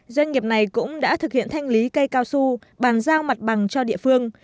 doanh nghiệp này cũng đã thực hiện thanh lý cây cao su bàn giao mặt bằng cho địa phương